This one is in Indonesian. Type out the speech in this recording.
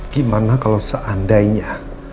gimana kalau seandainya